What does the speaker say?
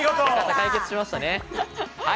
解決しましたね。